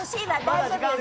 大丈夫よ。